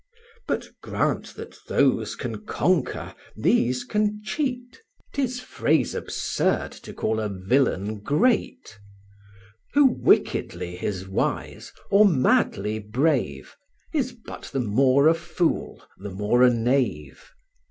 But grant that those can conquer, these can cheat; 'Tis phrase absurd to call a villain great: Who wickedly is wise, or madly brave, Is but the more a fool, the more a knave.